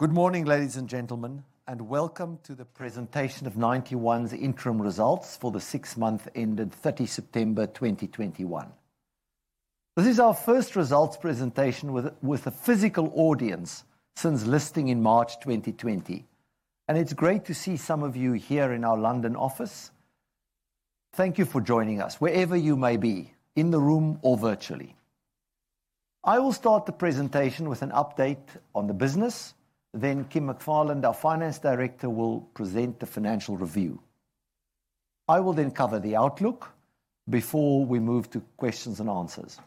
Good morning, ladies and gentlemen, and welcome to the presentation of Ninety One's interim results for the six months ended September 30, 2021. This is our first results presentation with a physical audience since listing in March 2020, and it's great to see some of you here in our London office. Thank you for joining us wherever you may be, in the room or virtually. I will start the presentation with an update on the business, then Kim McFarland, our Finance Director, will present the financial review. I will then cover the outlook before we move to questions and answers.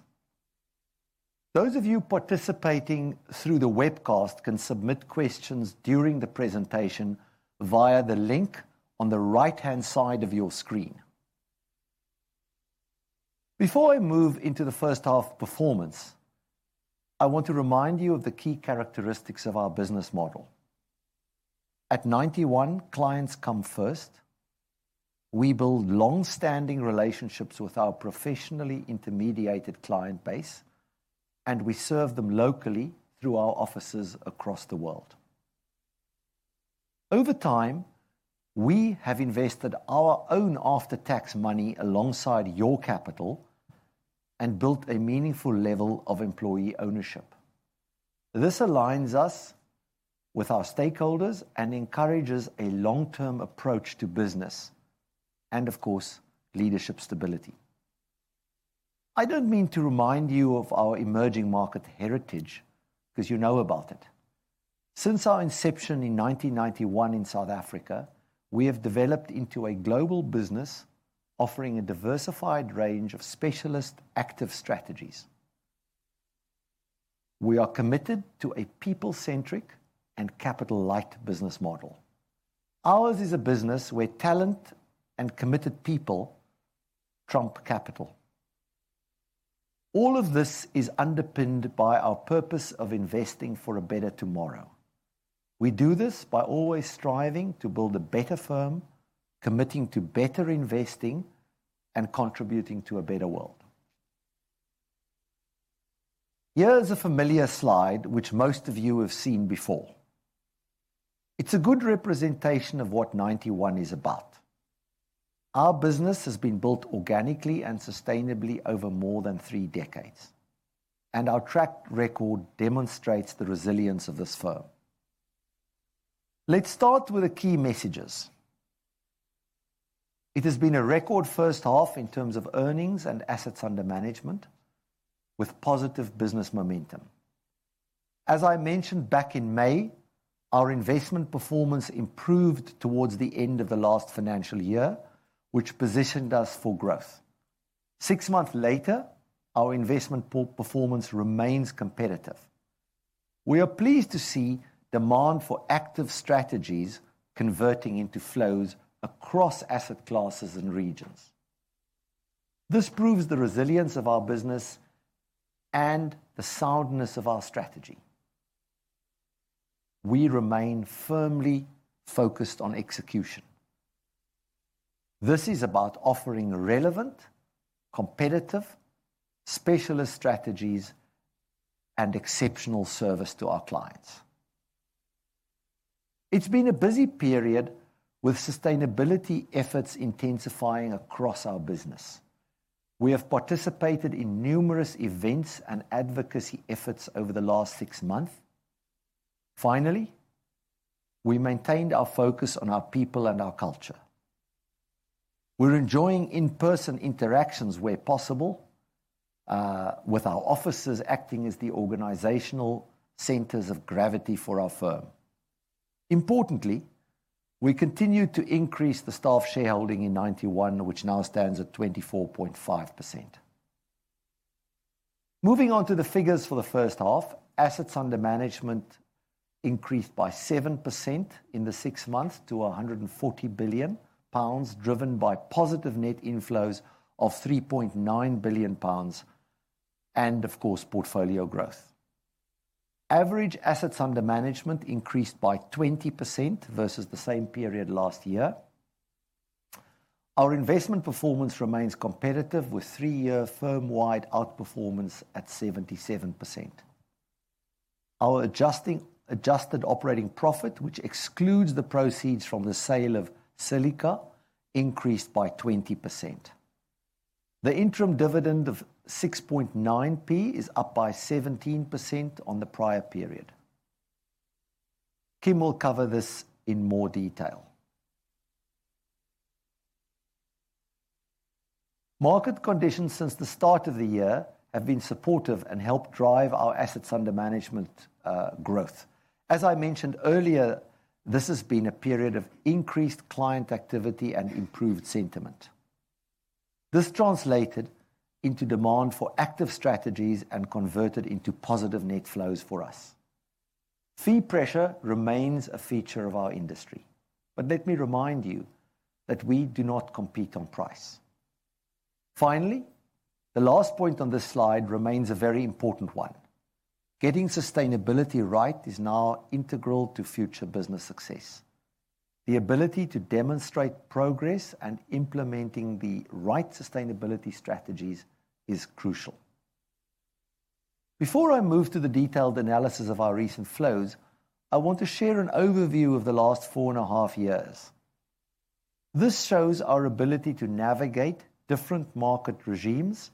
Those of you participating through the webcast can submit questions during the presentation via the link on the right-hand side of your screen. Before I move into the first half performance, I want to remind you of the key characteristics of our business model. At Ninety One, clients come first. We build long-standing relationships with our professionally intermediated client base, and we serve them locally through our offices across the world. Over time, we have invested our own after-tax money alongside your capital and built a meaningful level of employee ownership. This aligns us with our stakeholders and encourages a long-term approach to business and, of course, leadership stability. I don't mean to remind you of our emerging market heritage because you know about it. Since our inception in 1991 in South Africa, we have developed into a global business offering a diversified range of specialist active strategies. We are committed to a people-centric and capital-light business model. Ours is a business where talent and committed people trump capital. All of this is underpinned by our purpose of investing for a better tomorrow. We do this by always striving to build a better firm, committing to better investing, and contributing to a better world. Here is a familiar slide which most of you have seen before. It's a good representation of what Ninety One is about. Our business has been built organically and sustainably over more than three decades, and our track record demonstrates the resilience of this firm. Let's start with the key messages. It has been a record first half in terms of earnings and assets under management with positive business momentum. As I mentioned back in May, our investment performance improved towards the end of the last financial year, which positioned us for growth. Six months later, our investment performance remains competitive. We are pleased to see demand for active strategies converting into flows across asset classes and regions. This proves the resilience of our business and the soundness of our strategy. We remain firmly focused on execution. This is about offering relevant, competitive, specialist strategies and exceptional service to our clients. It's been a busy period with sustainability efforts intensifying across our business. We have participated in numerous events and advocacy efforts over the last six months. Finally, we maintained our focus on our people and our culture. We're enjoying in-person interactions where possible, with our offices acting as the organizational centers of gravity for our firm. Importantly, we continued to increase the staff shareholding in Ninety One, which now stands at 24.5%. Moving on to the figures for the first half. Assets under management increased by 7% in the 6 months to 140 billion pounds, driven by positive net inflows of 3.9 billion pounds and of course, portfolio growth. Average assets under management increased by 20% versus the same period last year. Our investment performance remains competitive, with 3-year firm-wide outperformance at 77%. Our adjusted operating profit, which excludes the proceeds from the sale of Silica, increased by 20%. The interim dividend of 6.9p is up by 17% on the prior period. Kim will cover this in more detail. Market conditions since the start of the year have been supportive and helped drive our assets under management growth. As I mentioned earlier, this has been a period of increased client activity and improved sentiment. This translated into demand for active strategies and converted into positive net flows for us. Fee pressure remains a feature of our industry, but let me remind you that we do not compete on price. Finally, the last point on this slide remains a very important one. Getting sustainability right is now integral to future business success. The ability to demonstrate progress and implementing the right sustainability strategies is crucial. Before I move to the detailed analysis of our recent flows, I want to share an overview of the last four and a half years. This shows our ability to navigate different market regimes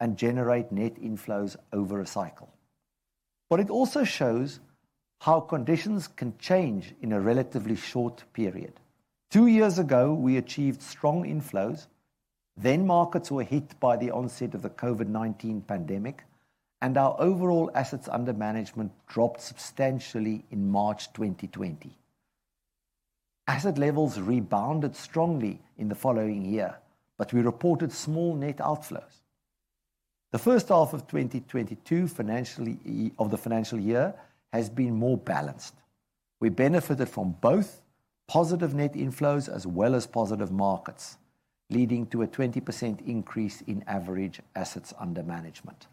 and generate net inflows over a cycle. It also shows how conditions can change in a relatively short period. Two years ago, we achieved strong inflows. Markets were hit by the onset of the COVID-19 pandemic, and our overall assets under management dropped substantially in March 2020. Asset levels rebounded strongly in the following year, but we reported small net outflows. The first half of 2022 of the financial year has been more balanced. We benefited from both positive net inflows as well as positive markets, leading to a 20% increase in average assets under management.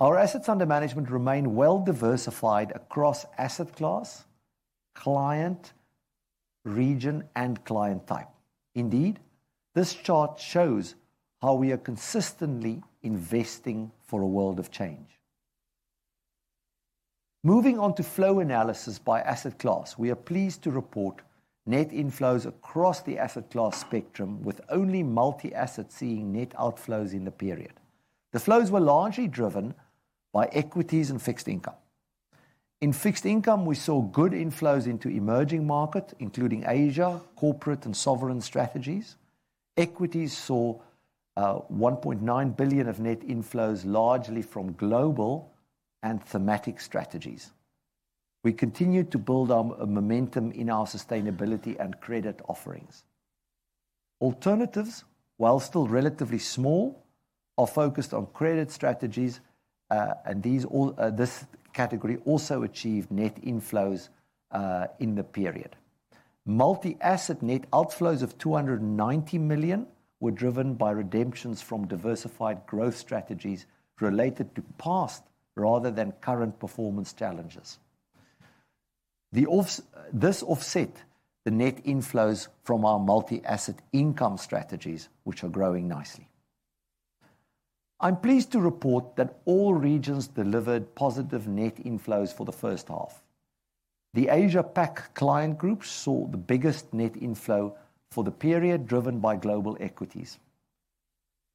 Our assets under management remain well-diversified across asset class, client, region, and client type. Indeed, this chart shows how we are consistently investing for a world of change. Moving on to flow analysis by asset class. We are pleased to report net inflows across the asset class spectrum with only multi-asset seeing net outflows in the period. The flows were largely driven by equities and fixed income. In fixed income, we saw good inflows into emerging markets, including Asia, corporate and sovereign strategies. Equities saw 1.9 billion of net inflows, largely from global and thematic strategies. We continued to build on a momentum in our sustainability and credit offerings. Alternatives, while still relatively small, are focused on credit strategies, and this category also achieved net inflows in the period. Multi-asset net outflows of 290 million were driven by redemptions from diversified growth strategies related to past rather than current performance challenges. This offset the net inflows from our multi-asset income strategies, which are growing nicely. I'm pleased to report that all regions delivered positive net inflows for the first half. The Asia-Pac client group saw the biggest net inflow for the period driven by global equities.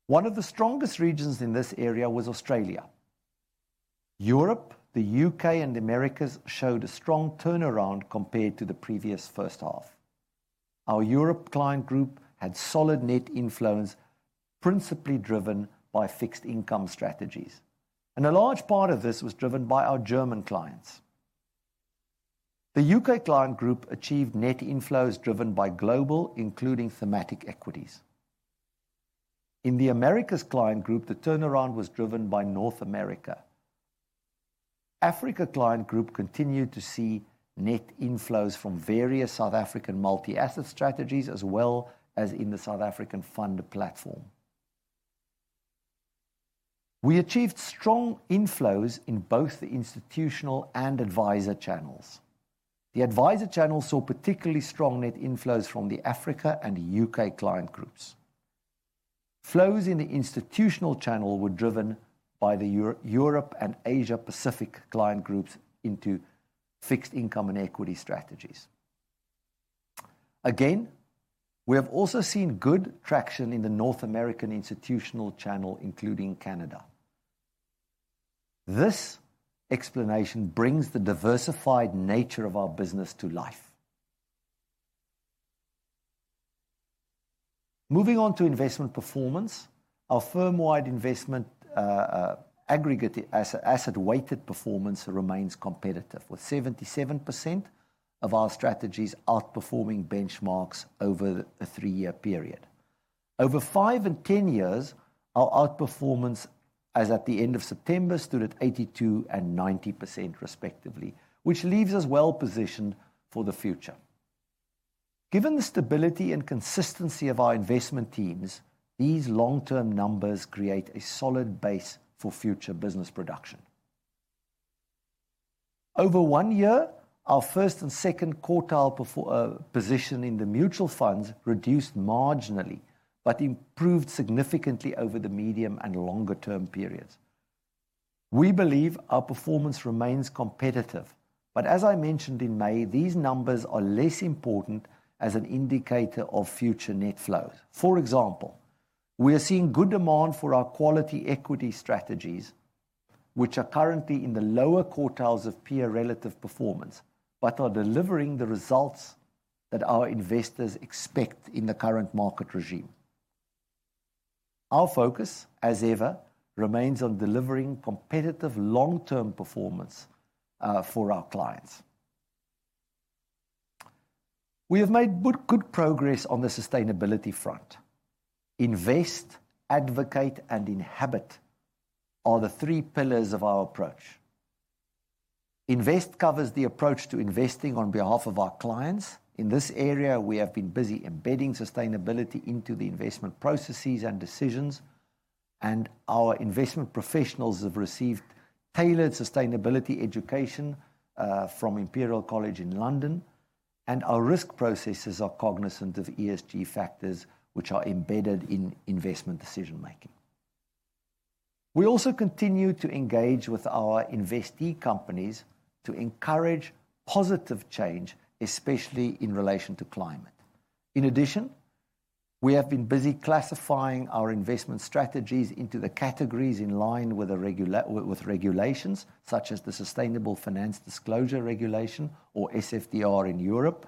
One of the strongest regions in this area was Australia. Europe, the U.K., and Americas showed a strong turnaround compared to the previous first half. Our Europe client group had solid net inflows, principally driven by fixed income strategies, and a large part of this was driven by our German clients. The U.K. Client group achieved net inflows driven by global, including thematic equities. In the Americas client group, the turnaround was driven by North America. Africa client group continued to see net inflows from various South African multi-asset strategies, as well as in the South African fund platform. We achieved strong inflows in both the institutional and advisor channels. The advisor channel saw particularly strong net inflows from the Africa and U.K. client groups. Flows in the institutional channel were driven by the Europe and Asia-Pacific client groups into fixed income and equity strategies. Again, we have also seen good traction in the North American institutional channel, including Canada. This explanation brings the diversified nature of our business to life. Moving on to investment performance. Our firm-wide investment, aggregate asset-weighted performance remains competitive, with 77% of our strategies outperforming benchmarks over a three-year period. Over 5 and 10 years, our outperformance as at the end of September stood at 82% and 90% respectively, which leaves us well-positioned for the future. Given the stability and consistency of our investment teams, these long-term numbers create a solid base for future business production. Over 1 year, our first- and second-quartile position in the mutual funds reduced marginally but improved significantly over the medium- and longer-term periods. We believe our performance remains competitive, but as I mentioned in May, these numbers are less important as an indicator of future net flows. For example, we are seeing good demand for our quality equity strategies, which are currently in the lower quartiles of peer relative performance but are delivering the results that our investors expect in the current market regime. Our focus, as ever, remains on delivering competitive long-term performance for our clients. We have made good progress on the sustainability front. Invest, advocate, and inhabit are the three pillars of our approach. Invest covers the approach to investing on behalf of our clients. In this area, we have been busy embedding sustainability into the investment processes and decisions, and our investment professionals have received tailored sustainability education from Imperial College London. Our risk processes are cognizant of ESG factors which are embedded in investment decision-making. We also continue to engage with our investee companies to encourage positive change, especially in relation to climate. In addition, we have been busy classifying our investment strategies into the categories in line with regulations, such as the Sustainable Finance Disclosure Regulation, or SFDR, in Europe.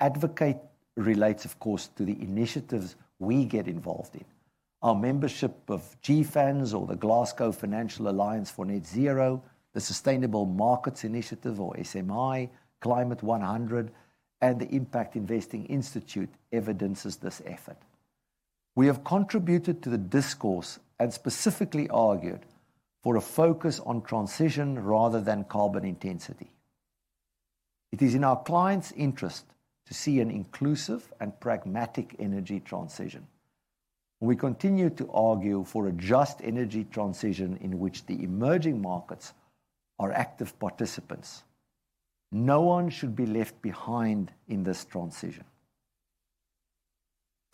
Advocate relates, of course, to the initiatives we get involved in. Our membership of GFANZ or the Glasgow Financial Alliance for Net Zero, the Sustainable Markets Initiative or SMI, Climate Action 100+, and the Impact Investing Institute evidences this effort. We have contributed to the discourse and specifically argued for a focus on transition rather than carbon intensity. It is in our clients' interest to see an inclusive and pragmatic energy transition. We continue to argue for a just energy transition in which the emerging markets are active participants. No one should be left behind in this transition.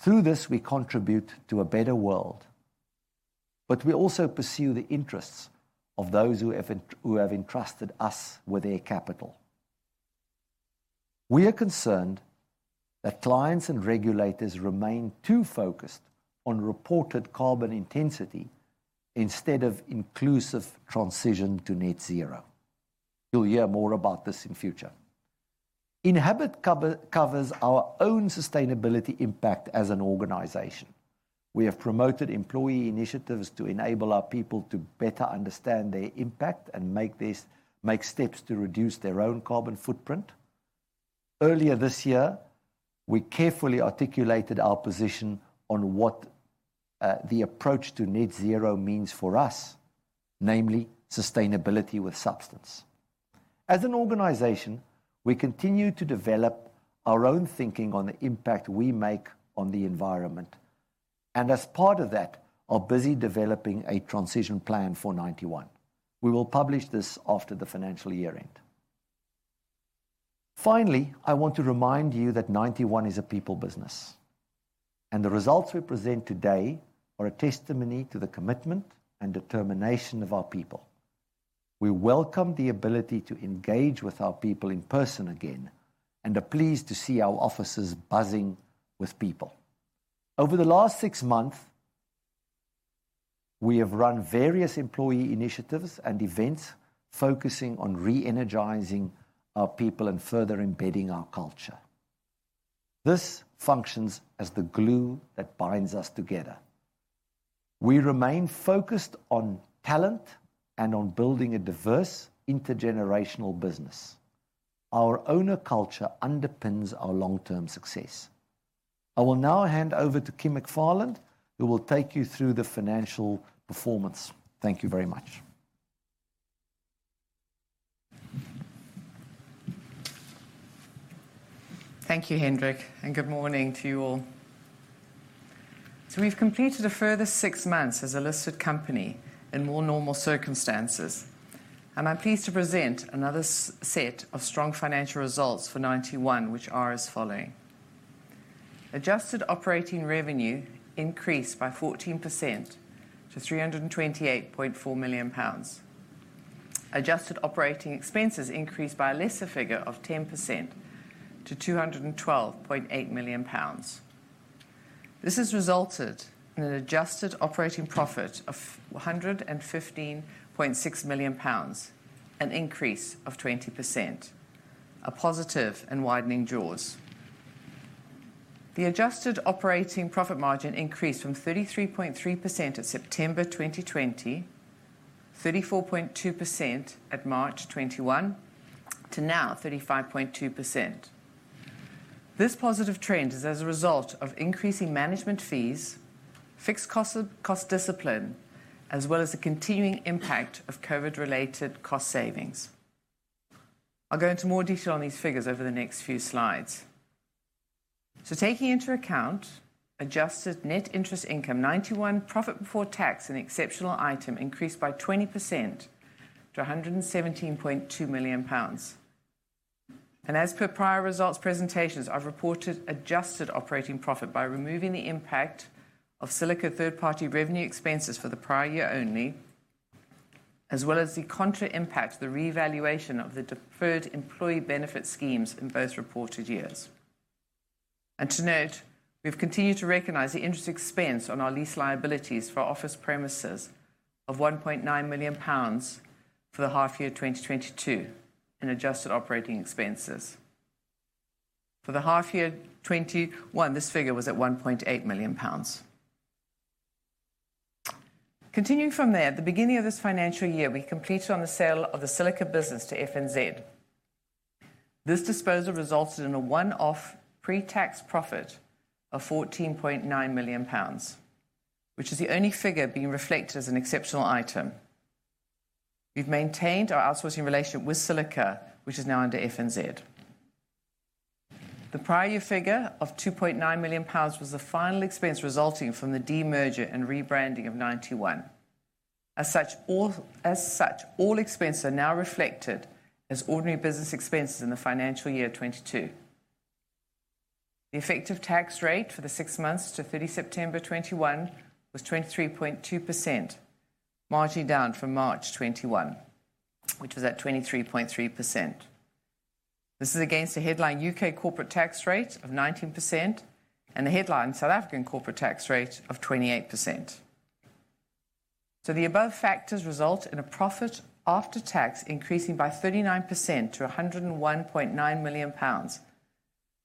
Through this, we contribute to a better world, but we also pursue the interests of those who have entrusted us with their capital. We are concerned that clients and regulators remain too focused on reported carbon intensity instead of inclusive transition to net zero. You'll hear more about this in future. Impact cover covers our own sustainability impact as an organization. We have promoted employee initiatives to enable our people to better understand their impact and make steps to reduce their own carbon footprint. Earlier this year, we carefully articulated our position on what the approach to net zero means for us, namely sustainability with substance. As an organization, we continue to develop our own thinking on the impact we make on the environment and as part of that are busy developing a transition plan for Ninety One. We will publish this after the financial year end. Finally, I want to remind you that Ninety One is a people business, and the results we present today are a testimony to the commitment and determination of our people. We welcome the ability to engage with our people in person again and are pleased to see our offices buzzing with people. Over the last six months, we have run various employee initiatives and events focusing on re-energizing our people and further embedding our culture. This functions as the glue that binds us together. We remain focused on talent and on building a diverse intergenerational business. Our owner culture underpins our long-term success. I will now hand over to Kim McFarland, who will take you through the financial performance. Thank you very much. Thank you, Hendrik, and good morning to you all. We've completed a further six months as a listed company in more normal circumstances, and I'm pleased to present another set of strong financial results for Ninety One, which are as follows. Adjusted operating revenue increased by 14% to 328.4 million pounds. Adjusted operating expenses increased by a lesser figure of 10% to 212.8 million pounds. This has resulted in an adjusted operating profit of 115.6 million pounds, an increase of 20%, a positive in widening jaws. The adjusted operating profit margin increased from 33.3% at September 2020, 34.2% at March 2021, to now 35.2%. This positive trend is as a result of increasing management fees, fixed cost discipline, as well as the continuing impact of COVID-related cost savings. I'll go into more detail on these figures over the next few slides. Taking into account adjusted net interest income, Ninety One profit before tax and exceptional item increased by 20% to 117.2 million pounds. As per prior results presentations, we report adjusted operating profit by removing the impact of Silica third-party revenue expenses for the prior year only, as well as the contra impact, the revaluation of the deferred employee benefit schemes in both reported years. To note, we've continued to recognize the interest expense on our lease liabilities for office premises of 1.9 million pounds for the half year 2022 in adjusted operating expenses. For the half year 2021, this figure was at 1.8 million pounds. Continuing from there, at the beginning of this financial year, we completed the sale of the Silica business to FNZ. This disposal resulted in a one-off pre-tax profit of 14.9 million pounds, which is the only figure being reflected as an exceptional item. We've maintained our outsourcing relationship with Silica, which is now under FNZ. The prior year figure of 2.9 million pounds was the final expense resulting from the de-merger and rebranding of Ninety One. As such, all expenses are now reflected as ordinary business expenses in the financial year 2022. The effective tax rate for the six months to September 30, 2021 was 23.2%, marginally down from March 2021, which was at 23.3%. This is against a headline U.K. corporate tax rate of 19% and a headline South African corporate tax rate of 28%. The above factors result in a profit after tax increasing by 39% to 101.9 million pounds.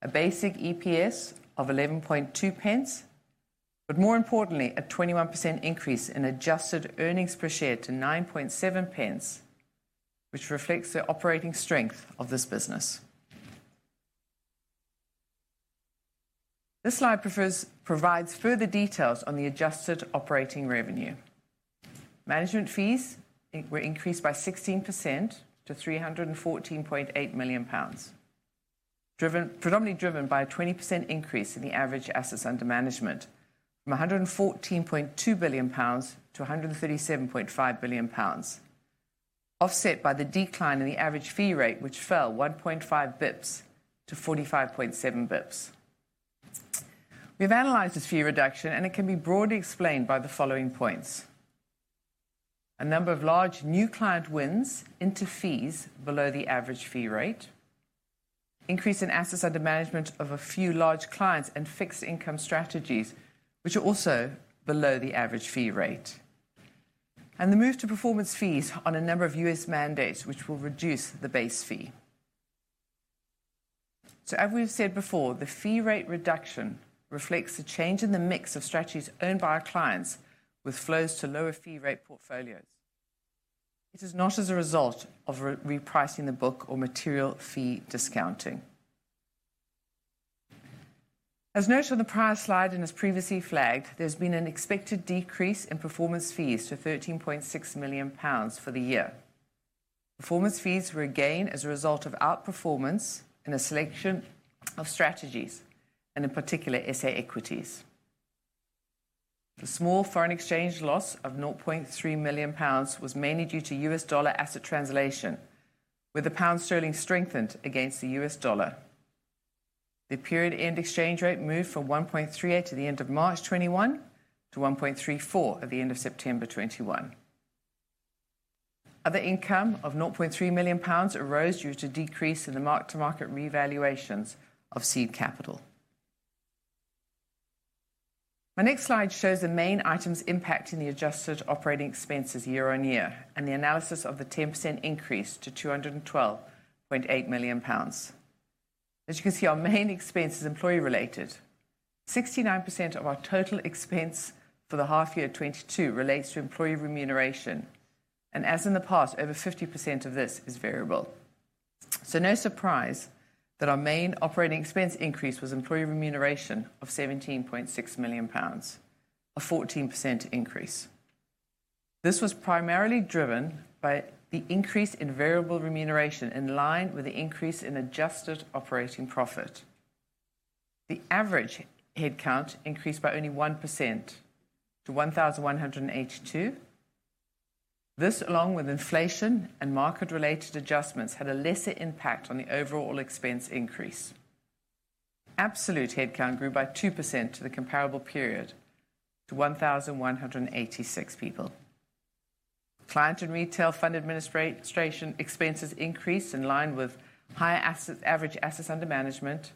A basic EPS of 11.2 pence, but more importantly, a 21% increase in adjusted earnings per share to 9.7 pence, which reflects the operating strength of this business. This slide provides further details on the adjusted operating revenue. Management fees were increased by 16% to 314.8 million pounds. Predominantly driven by a 20% increase in the average assets under management from 114.2 billion pounds to 137.5 billion pounds, offset by the decline in the average fee rate, which fell 1.5 bps to 45.7 bps. We've analyzed this fee reduction, and it can be broadly explained by the following points. A number of large new client wins into fees below the average fee rate. Increase in assets under management of a few large clients and fixed income strategies, which are also below the average fee rate. And the move to performance fees on a number of U.S. mandates, which will reduce the base fee. As we've said before, the fee rate reduction reflects the change in the mix of strategies owned by our clients with flows to lower fee rate portfolios. It is not as a result of repricing the book or material fee discounting. As noted on the prior slide, and as previously flagged, there's been an expected decrease in performance fees to 13.6 million pounds for the year. Performance fees were a gain as a result of outperformance in a selection of strategies, and in particular, SA equities. The small foreign exchange loss of 0.3 million pounds was mainly due to U.S. dollar asset translation, where the pound sterling strengthened against the U.S. dollar. The period end exchange rate moved from 1.38 at the end of March 2021 to 1.34 at the end of September 2021. Other income of 0.3 million pounds arose due to decrease in the mark-to-market revaluations of seed capital. My next slide shows the main items impacting the adjusted operating expenses year-on-year and the analysis of the 10% increase to 212.8 million pounds. As you can see, our main expense is employee-related. 69% of our total expense for H1 2022 relates to employee remuneration, and as in the past, over 50% of this is variable. No surprise that our main operating expense increase was employee remuneration of 17.6 million pounds, a 14% increase. This was primarily driven by the increase in variable remuneration in line with the increase in adjusted operating profit. The average headcount increased by only 1% to 1,182. This, along with inflation and market-related adjustments, had a lesser impact on the overall expense increase. Absolute headcount grew by 2% compared to the comparable period to 1,186 people. Client and retail fund administration expenses increased in line with higher assets, average assets under management,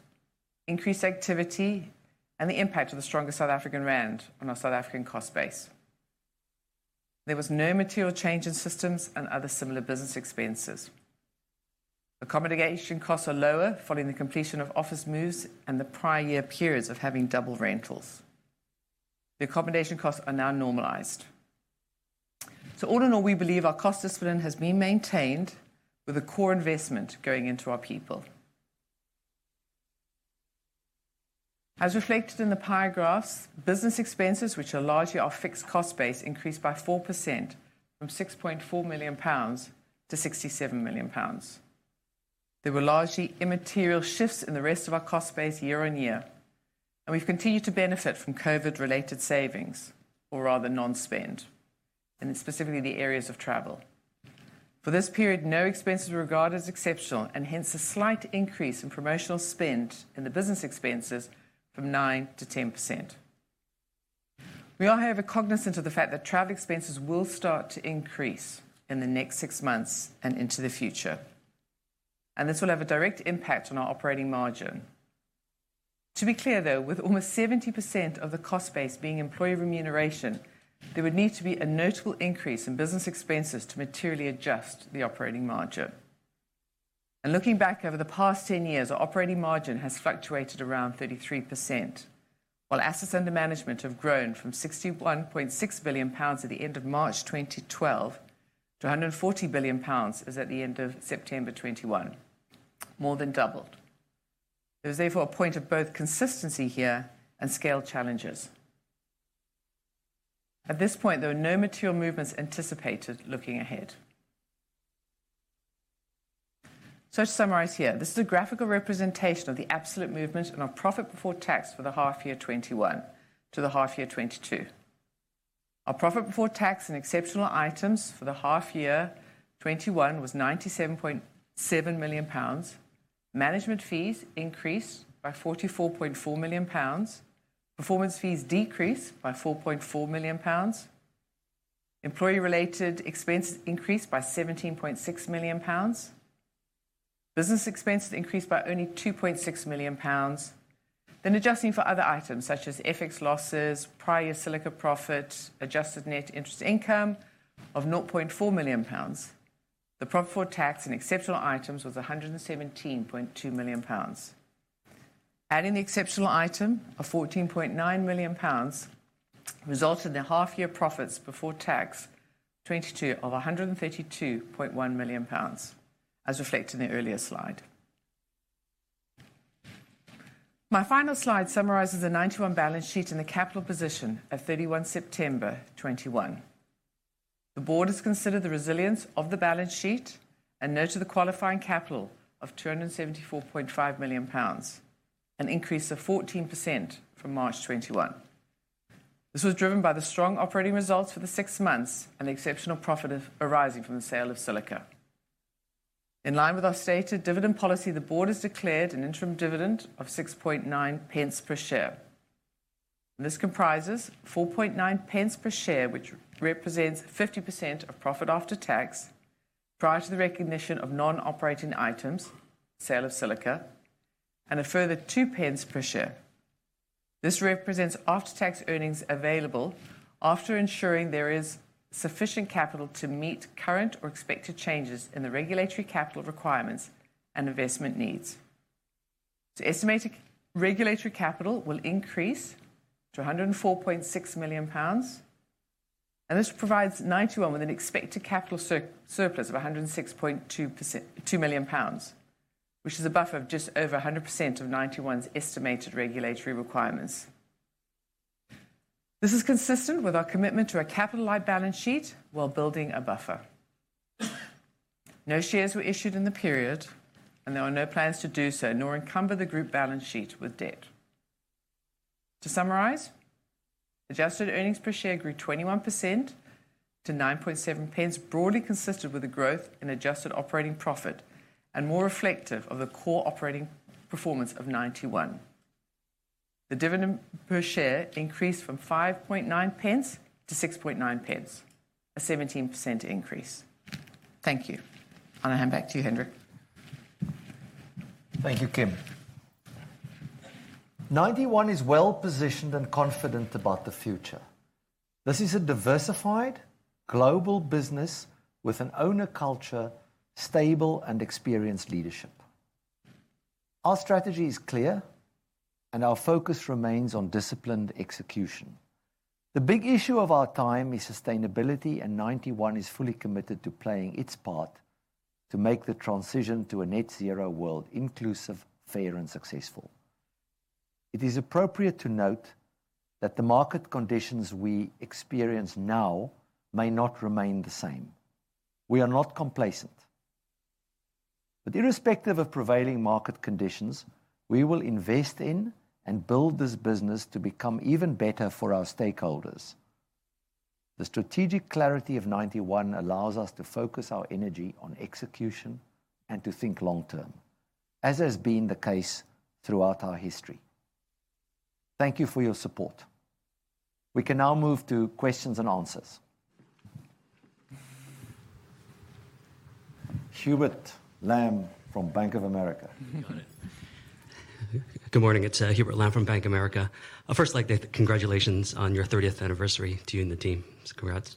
increased activity, and the impact of the stronger South African rand on our South African cost base. There was no material change in systems and other similar business expenses. Accommodation costs are lower following the completion of office moves and the prior year periods of having double rentals. The accommodation costs are now normalized. All in all, we believe our cost discipline has been maintained with a core investment going into our people. As reflected in the pie graphs, business expenses, which are largely our fixed cost base, increased by 4% from 6.4 million-67 million pounds. There were largely immaterial shifts in the rest of our cost base year-on-year, and we've continued to benefit from COVID-related savings or rather non-spend, and specifically the areas of travel. For this period, no expenses were regarded as exceptional, and hence a slight increase in promotional spend in the business expenses from 9%-10%. We are, however, cognizant of the fact that travel expenses will start to increase in the next six months and into the future, and this will have a direct impact on our operating margin. To be clear, though, with almost 70% of the cost base being employee remuneration, there would need to be a notable increase in business expenses to materially adjust the operating margin. Looking back over the past 10 years, our operating margin has fluctuated around 33%, while assets under management have grown from 61.6 billion pounds at the end of March 2012 to 140 billion pounds as at the end of September 2021, more than doubled. There is therefore a point of both consistency here and scale challenges. At this point, there are no material movements anticipated looking ahead. To summarize here, this is a graphical representation of the absolute movement in our profit before tax for the half year 2021 to the half year 2022. Our profit before tax and exceptional items for the half year 2021 was 97.7 million pounds. Management fees increased by 44.4 million pounds. Performance fees decreased by 4.4 million pounds. Employee-related expenses increased by 17.6 million pounds. Business expenses increased by only 2.6 million pounds. Adjusting for other items such as FX losses, prior Silica profit, adjusted net interest income of 0.4 million pounds. The profit before tax and exceptional items was 117.2 million pounds. Adding the exceptional item of 14.9 million pounds resulted in the half year profits before tax 2022 of 132.1 million pounds, as reflected in the earlier slide. My final slide summarizes the Ninety One balance sheet and the capital position at 31 September 2021. The board has considered the resilience of the balance sheet and noted the qualifying capital of 274.5 million pounds, an increase of 14% from March 2021. This was driven by the strong operating results for the six months and the exceptional profit arising from the sale of Silica. In line with our stated dividend policy, the board has declared an interim dividend of 6.9 pence per share. This comprises 4.9 pence per share, which represents 50% of profit after tax prior to the recognition of non-operating items, sale of Silica, and a further 2 pence per share. This represents after-tax earnings available after ensuring there is sufficient capital to meet current or expected changes in the regulatory capital requirements and investment needs. The estimated regulatory capital will increase to 104.6 million pounds, and this provides Ninety One with an expected capital surplus of 106.2%. 2 million pounds, which is a buffer of just over 100% of Ninety One's estimated regulatory requirements. This is consistent with our commitment to a capitalized balance sheet while building a buffer. No shares were issued in the period, and there are no plans to do so, nor encumber the group balance sheet with debt. To summarize, adjusted earnings per share grew 21% to 9.7 pence, broadly consistent with the growth in adjusted operating profit and more reflective of the core operating performance of Ninety One. The dividend per share increased from 5.9 pence to 6.9 pence, a 17% increase. Thank you. I hand back to you, Hendrik. Thank you, Kim. Ninety One is well positioned and confident about the future. This is a diversified global business with an owner culture, stable and experienced leadership. Our strategy is clear, and our focus remains on disciplined execution. The big issue of our time is sustainability, and Ninety One is fully committed to playing its part to make the transition to a net zero world inclusive, fair and successful. It is appropriate to note that the market conditions we experience now may not remain the same. We are not complacent. Irrespective of prevailing market conditions, we will invest in and build this business to become even better for our stakeholders. The strategic clarity of Ninety One allows us to focus our energy on execution and to think long term, as has been the case throughout our history. Thank you for your support. We can now move to questions and answers. Hubert Lam from Bank of America. Good morning. It's Hubert Lam from Bank of America. I'd first like to congratulate on your 30th anniversary to you and the team. Congrats.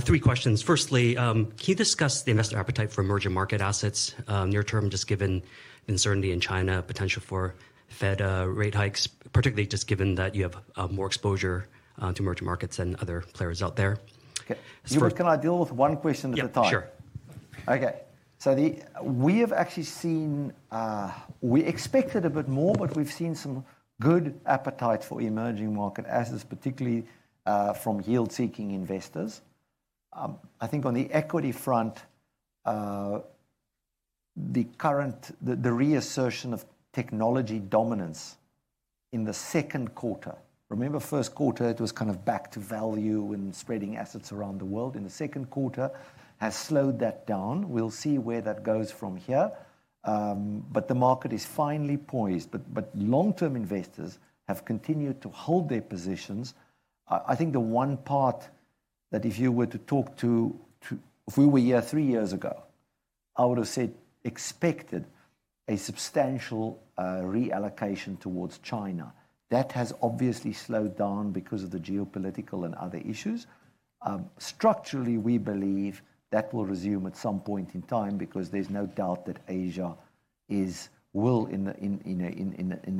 Three questions. Firstly, can you discuss the investor appetite for emerging market assets near term, just given uncertainty in China, potential for Fed rate hikes, particularly just given that you have more exposure to emerging markets than other players out there? Okay. So- Hubert, can I deal with one question at a time? Yep, sure. We expected a bit more, but we've seen some good appetite for emerging market assets, particularly from yield-seeking investors. I think on the equity front, the reassertion of technology dominance in the second quarter. Remember first quarter, it was kind of back to value and spreading assets around the world. The second quarter has slowed that down. We'll see where that goes from here. The market is finally poised. Long-term investors have continued to hold their positions. I think the one part that if you were to talk to. If we were here three years ago, I would've said expected a substantial reallocation towards China. That has obviously slowed down because of the geopolitical and other issues. Structurally, we believe that will resume at some point in time because there's no doubt that Asia will in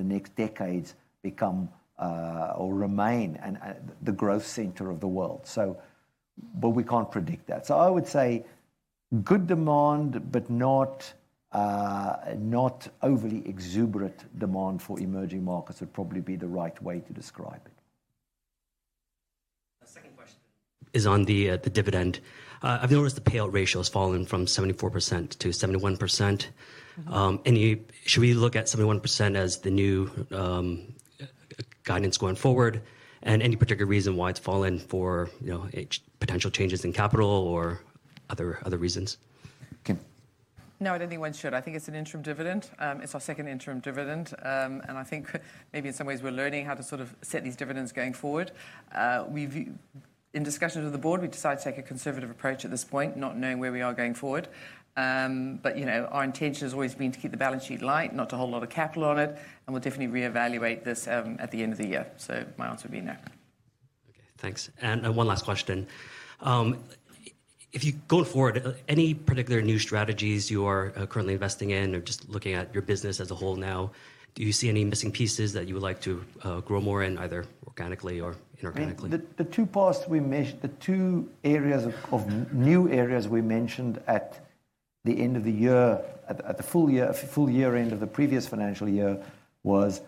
the next decades become or remain the growth center of the world. We can't predict that. I would say good demand, but not overly exuberant demand for emerging markets would probably be the right way to describe it. The second question is on the dividend. I've noticed the payout ratio has fallen from 74%-71%. Should we look at 71% as the new guidance going forward? Any particular reason why it's fallen for, you know, potential changes in capital or other reasons? Kim? No, I don't think one should. I think it's an interim dividend. It's our second interim dividend. I think maybe in some ways we're learning how to sort of set these dividends going forward. In discussions with the board, we decided to take a conservative approach at this point, not knowing where we are going forward. You know, our intention has always been to keep the balance sheet light, not to hold a lot of capital on it, and we'll definitely reevaluate this at the end of the year. My answer would be no. Okay. Thanks. One last question. If you go forward, any particular new strategies you are currently investing in or just looking at your business as a whole now, do you see any missing pieces that you would like to grow more in either organically or inorganically? I mean, the two new areas we mentioned at the full year end of the previous financial year was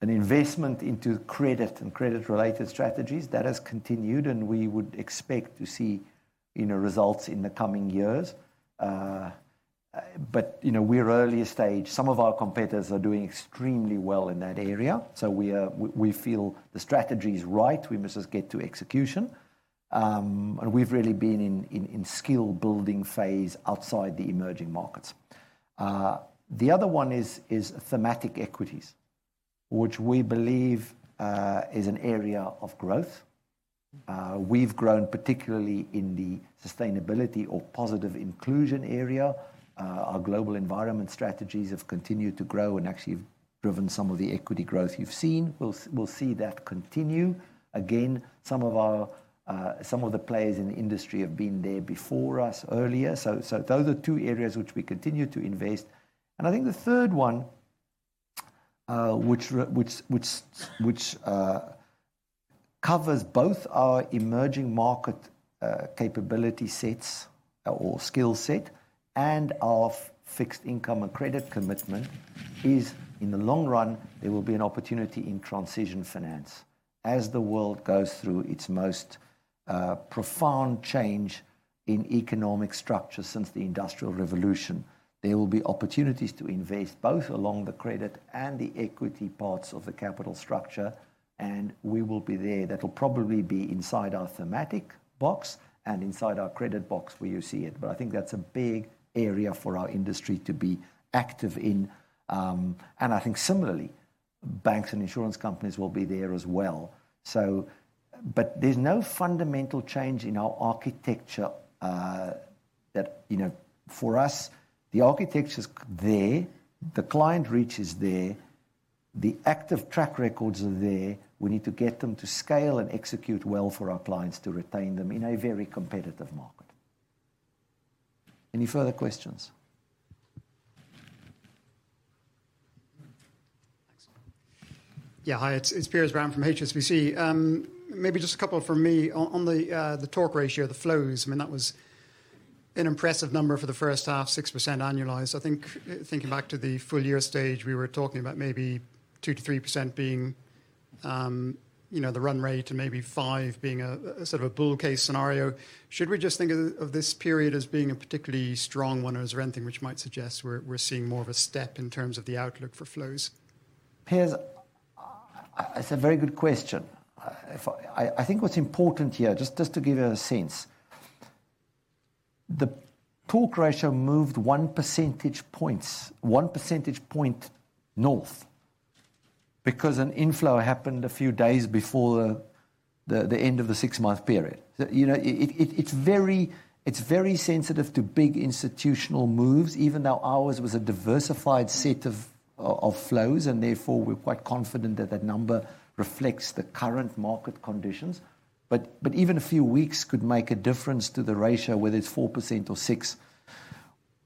an investment into credit and credit-related strategies. That has continued, and we would expect to see, you know, results in the coming years. We're early stage. Some of our competitors are doing extremely well in that area. We feel the strategy is right, we must just get to execution. We've really been in skill building phase outside the emerging markets. The other one is thematic equities, which we believe is an area of growth. We've grown particularly in the sustainability or positive inclusion area. Our Global Environment strategies have continued to grow and actually have driven some of the equity growth you've seen. We'll see that continue. Again, some of the players in the industry have been there before us earlier. Those are two areas which we continue to invest. I think the third one, which covers both our emerging market capability sets or skill set and our fixed income and credit commitment is, in the long run, there will be an opportunity in transition finance. As the world goes through its most profound change in economic structure since the Industrial Revolution, there will be opportunities to invest both along the credit and the equity parts of the capital structure, and we will be there. That'll probably be inside our thematic box and inside our credit box, you'll see it. But I think that's a big area for our industry to be active in. I think similarly, banks and insurance companies will be there as well. But there's no fundamental change in our architecture, you know, for us, the architecture's there, the client reach is there, the active track records are there. We need to get them to scale and execute well for our clients to retain them in a very competitive market. Any further questions? Thanks. Yeah. Hi, it's Piers Brown from HSBC. Maybe just a couple from me. On the torque ratio, the flows, I mean, that was an impressive number for the first half, 6% annualized. I think thinking back to the full year stage, we were talking about maybe 2%-3% being, you know, the run rate and maybe 5% being a sort of bull case scenario. Should we just think of this period as being a particularly strong one or is there anything which might suggest we're seeing more of a step in terms of the outlook for flows? Piers, it's a very good question. I think what's important here, just to give you a sense, the torque ratio moved 1 percentage point north because an inflow happened a few days before the end of the six-month period. It's very sensitive to big institutional moves, even though ours was a diversified set of flows, and therefore we're quite confident that that number reflects the current market conditions. Even a few weeks could make a difference to the ratio, whether it's 4% or 6%.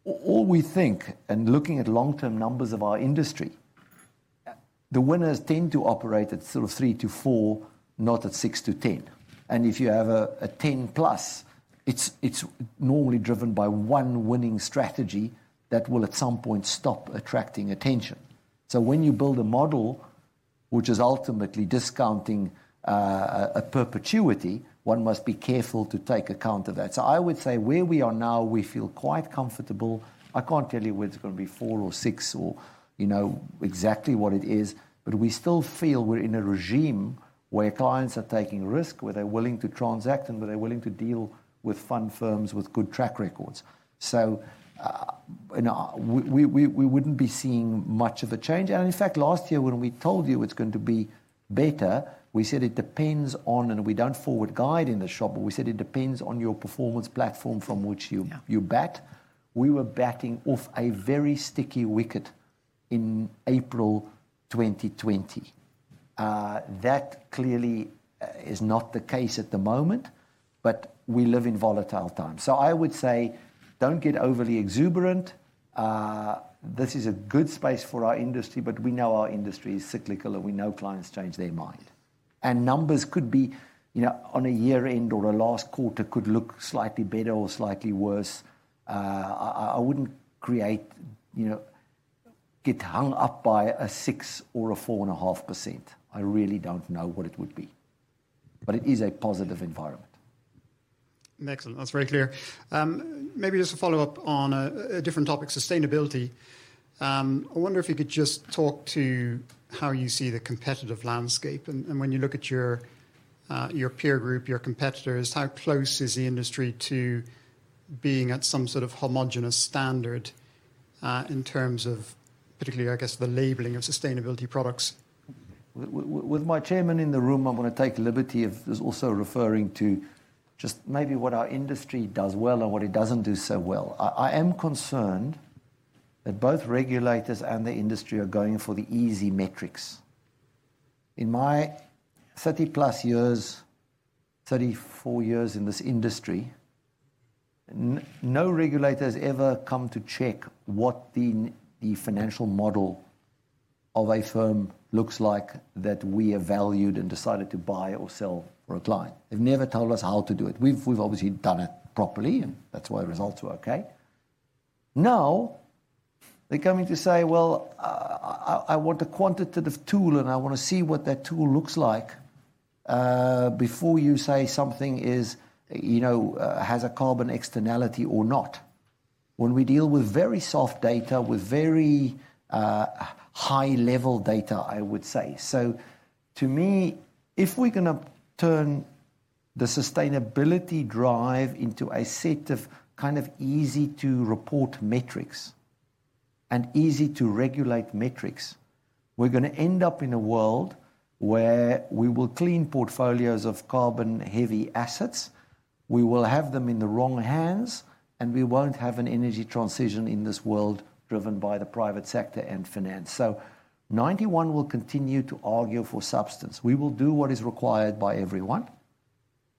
All we think, and looking at long-term numbers of our industry, the winners tend to operate at sort of 3%-4%, not at 6%-10%. If you have a 10+, it's normally driven by one winning strategy that will at some point stop attracting attention. When you build a model which is ultimately discounting a perpetuity, one must be careful to take account of that. I would say where we are now, we feel quite comfortable. I can't tell you whether it's gonna be 4 or 6 or, you know, exactly what it is. We still feel we're in a regime where clients are taking risk, where they're willing to transact and where they're willing to deal with fund firms with good track records. You know, we wouldn't be seeing much of a change. In fact, last year when we told you it's going to be better, we said it depends on, and we don't forward guidance in the shop, but we said it depends on your performance platform from which you- Yeah We were backing off a very sticky wicket in April 2020. That clearly is not the case at the moment, but we live in volatile times. I would say don't get overly exuberant. This is a good space for our industry, but we know our industry is cyclical, and we know clients change their mind. Numbers could be, you know, on a year-end or a last quarter, could look slightly better or slightly worse. I wouldn't, you know, get hung up by a 6% or a 4.5%. I really don't know what it would be. It is a positive environment. Excellent. That's very clear. Maybe just to follow up on a different topic, sustainability. I wonder if you could just talk to how you see the competitive landscape and when you look at your peer group, your competitors, how close is the industry to being at some sort of homogeneous standard in terms of particularly, I guess, the labeling of sustainability products? With my chairman in the room, I'm gonna take liberty of just also referring to just maybe what our industry does well and what it doesn't do so well. I am concerned that both regulators and the industry are going for the easy metrics. In my 30-plus years, 34 years in this industry, no regulator has ever come to check what the financial model of a firm looks like that we have valued and decided to buy or sell for a client. They've never told us how to do it. We've obviously done it properly, and that's why results were okay. Now, they're coming to say, "Well, I want a quantitative tool, and I wanna see what that tool looks like before you say something is, you know, has a carbon externality or not," when we deal with very soft data, with very high-level data, I would say. To me, if we're gonna turn the sustainability drive into a set of kind of easy-to-report metrics and easy-to-regulate metrics, we're gonna end up in a world where we will clean portfolios of carbon-heavy assets, we will have them in the wrong hands, and we won't have an energy transition in this world driven by the private sector and finance. Ninety One will continue to argue for substance. We will do what is required by everyone,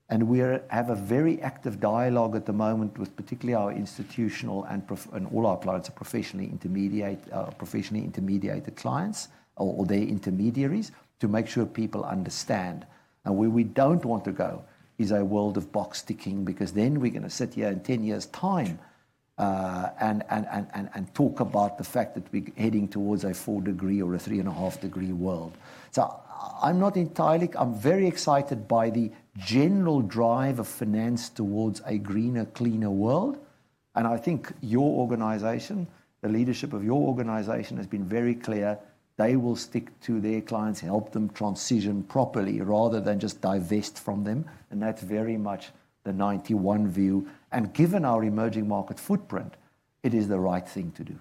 and we have a very active dialogue at the moment with particularly our institutional and professional and all our clients are professionally intermediated clients or their intermediaries to make sure people understand. Now, where we don't want to go is a world of box ticking because then we're gonna sit here in 10 years' time and talk about the fact that we're heading towards a 4-degree or a 3.5-degree world. I'm very excited by the general drive of finance towards a greener, cleaner world, and I think your organization, the leadership of your organization, has been very clear. They will stick to their clients, help them transition properly rather than just divest from them, and that's very much the Ninety One view. Given our emerging market footprint, it is the right thing to do.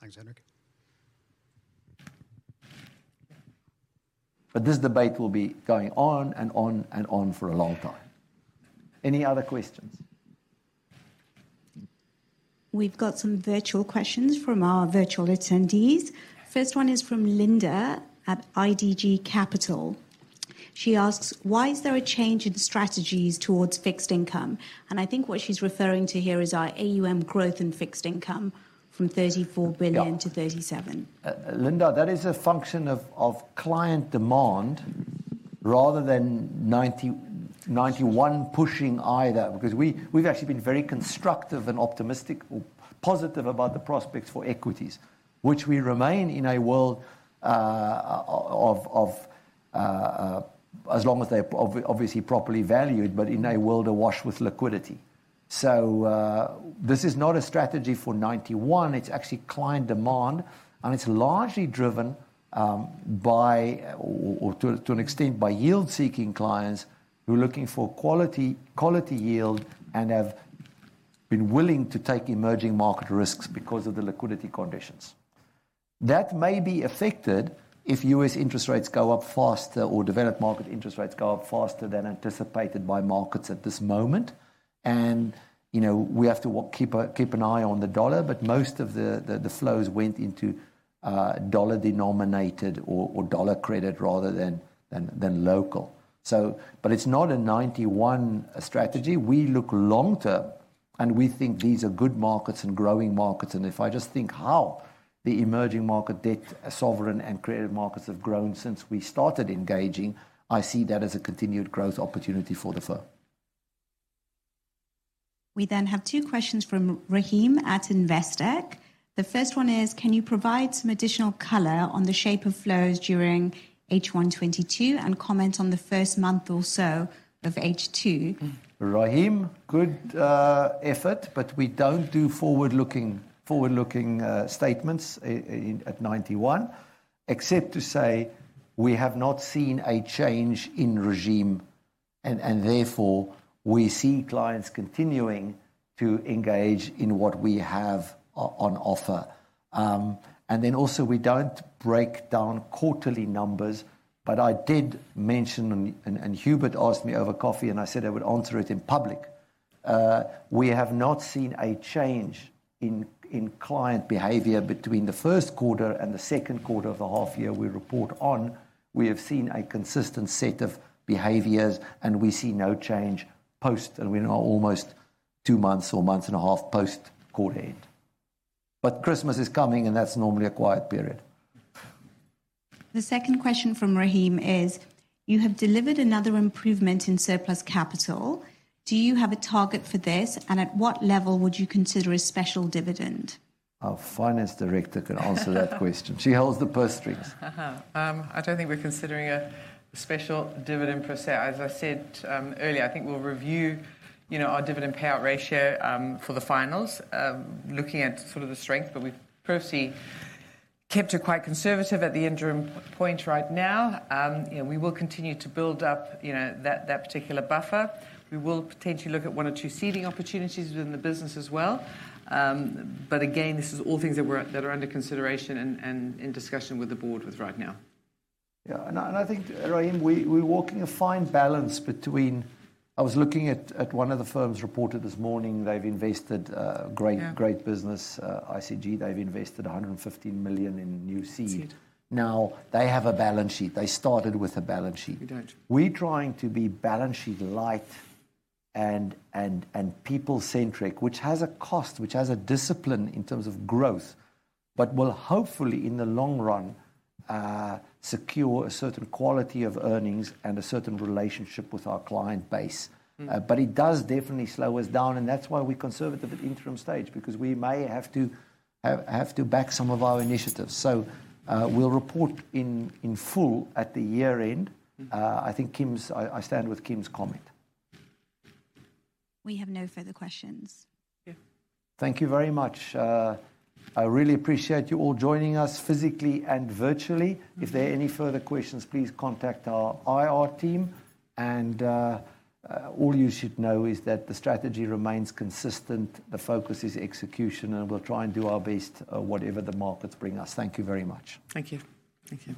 Thanks, Hendrik. This debate will be going on and on and on for a long time. Any other questions? We've got some virtual questions from our virtual attendees. First one is from Linda at IDG Capital. She asks, "Why is there a change in strategies towards fixed income?" I think what she's referring to here is our AUM growth in fixed income from 34 billion- Yeah 37 billion. Linda, that is a function of client demand rather than Ninety One pushing either because we've actually been very constructive and optimistic or positive about the prospects for equities, which we remain in a world of, as long as they're obviously properly valued, but in a world awash with liquidity. This is not a strategy for Ninety One. It's actually client demand, and it's largely driven to an extent by yield-seeking clients who are looking for quality yield and have been willing to take emerging market risks because of the liquidity conditions. That may be affected if U.S. interest rates go up faster or developed market interest rates go up faster than anticipated by markets at this moment. You know, we have to keep an eye on the dollar, but most of the flows went into dollar-denominated or dollar credit rather than local. But it's not a Ninety One strategy. We look long term, and we think these are good markets and growing markets. If I just think how the emerging market debt, sovereign, and credit markets have grown since we started engaging, I see that as a continued growth opportunity for the firm. We then have two questions from Rahim at Investec. The first one is, "Can you provide some additional color on the shape of flows during H1 2022 and comment on the first month or so of H2 2022? Rahim, good effort, but we don't do forward-looking statements at Ninety One, except to say we have not seen a change in regime and therefore we see clients continuing to engage in what we have on offer. Also we don't break down quarterly numbers. I did mention, and Hubert asked me over coffee, and I said I would answer it in public. We have not seen a change in client behavior between the first quarter and the second quarter of the half year we report on. We have seen a consistent set of behaviors, and we see no change post. We're now almost two months or a month and a half post quarter end. Christmas is coming, and that's normally a quiet period. The second question from Rahim is: You have delivered another improvement in surplus capital. Do you have a target for this, and at what level would you consider a special dividend? Our Finance Director can answer that question. She holds the purse strings. I don't think we're considering a special dividend per se. As I said earlier, I think we'll review, you know, our dividend payout ratio for the finals, looking at sort of the strength. We've purposely kept it quite conservative at the interim point right now. You know, we will continue to build up that particular buffer. We will potentially look at one or two seeding opportunities within the business as well. Again, this is all things that are under consideration and in discussion with the board right now. Yeah. I think, Rahim, we're walking a fine balance between. I was looking at one of the firms reported this morning they've invested a great- Yeah Great business, ICG. They've invested 115 million in a new seed. Seed. Now, they have a balance sheet. They started with a balance sheet. We don't. We're trying to be balance sheet light and people centric, which has a cost, which has a discipline in terms of growth, but will hopefully in the long run secure a certain quality of earnings and a certain relationship with our client base. Mm. It does definitely slow us down, and that's why we're conservative at the interim stage because we may have to back some of our initiatives. We'll report in full at the year end. Mm. I stand with Kim's comment. We have no further questions. Yeah. Thank you very much. I really appreciate you all joining us physically and virtually. If there are any further questions, please contact our IR team. All you should know is that the strategy remains consistent, the focus is execution, and we'll try and do our best, whatever the markets bring us. Thank you very much. Thank you. Thank you.